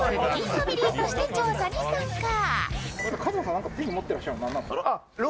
ファミリーとして調査に参加